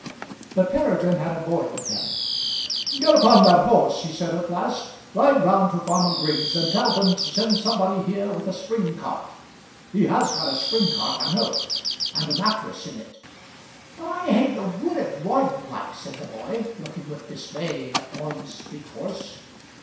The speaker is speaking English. But Peregrine had a boy with him. "Get upon that horse," he said at last; "ride round to Farmer Griggs, and tell them to send somebody here with a spring cart. He has got a spring cart I know; and a mattress in it." "But I hain't no gude at roiding like," said the boy, looking with dismay at Orme's big horse.